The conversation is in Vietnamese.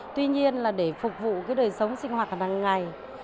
tuy nhiên là để phục vụ đời sống sinh hoạt hàng ngày